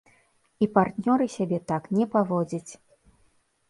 І партнёры сябе так не паводзяць.